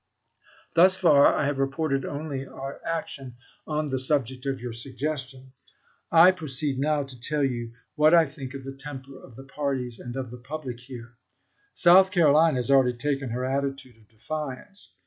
Thus far I have reported only our action on the sub ject of your suggestion. I proceed now to tell you what I think of the temper of the parties and of the public here. South Carolina has already taken her attitude of defi ance.